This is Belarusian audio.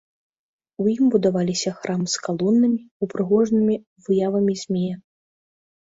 У ім будаваліся храмы з калонамі, упрыгожанымі выявамі змея.